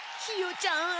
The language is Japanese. ひよちゃん